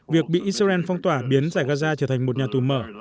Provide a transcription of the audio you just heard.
việc bị israel phong tỏa biến giải gaza trở thành một nhà tù mở